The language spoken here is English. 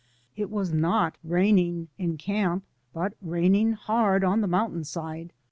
It was not raining in camp, but raining hard on the mountain side.